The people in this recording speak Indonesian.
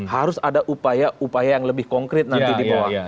harus ada upaya upaya yang lebih konkret nanti di bawah